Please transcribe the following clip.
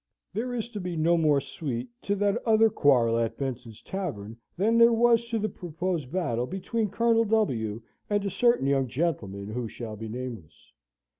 "There is to be no more suite to that other quarrel at Benson's Tavern than there was to the proposed battle between Colonel W. and a certain young gentleman who shall be nameless.